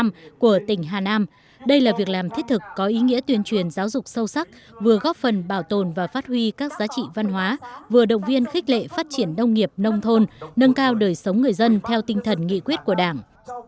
năm nay là năm thứ một mươi năm của tỉnh hà nam đây là việc làm thiết thực có ý nghĩa tuyên truyền giáo dục sâu sắc vừa góp phần bảo tồn và phát huy các giá trị văn hóa vừa động viên khích lệ phát triển đông nghiệp nông thôn nâng cao đời sống người dân theo tinh thần nghị quyết của đảng